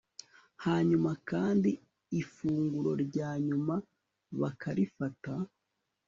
Hanyuma kandi ifunguro rya nyuma bakarifata